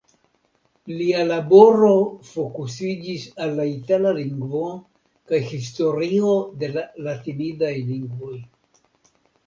Lia laboro fokusiĝis al la itala lingvo kaj historio de la latinidaj lingvoj.